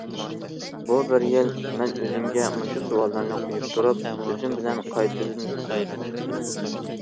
بۇ بىر يىل، مەن ئۆزۈمگە مۇشۇ سوئاللارنى قويۇپ تۇرۇپ، ئۆزۈم بىلەن قايتىدىن تونۇشۇپ چىقتىم.